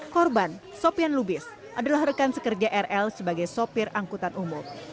korban sopian lubis adalah rekan sekerja rl sebagai sopir angkutan umum